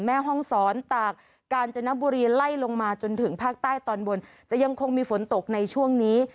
แม่ห้องศรตากกาญจนบุรีไล่ลงมาจนถึงภาคใต้ตอนบนจะยังคงมีฝนตกในช่วงนี้